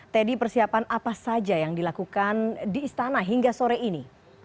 teddy persiapan apa saja yang dilakukan di istana hingga sore ini